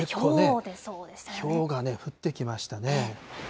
ひょうが降ってきましたね。